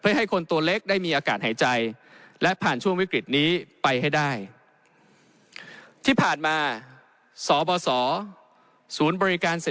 เพื่อให้คนตัวเล็กได้มีอากาศหายใจ